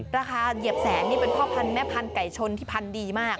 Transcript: เหยียบแสนนี่เป็นพ่อพันธแม่พันธไก่ชนที่พันธุ์ดีมาก